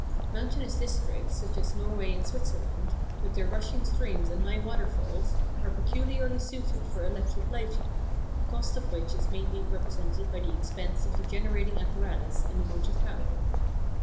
Mountainous districts, such as Norway and Switzerland, with their rushing streams and high water falls, are peculiarly suited for electric lighting: the cost of which is mainly represented by the expense of the generating apparatus and the motive power.